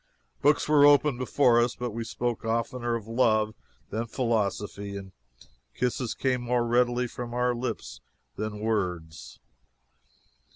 Books were open before us, but we spoke oftener of love than philosophy, and kisses came more readily from our lips than words."